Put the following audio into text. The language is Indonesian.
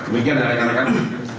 demikian ya rekan rekan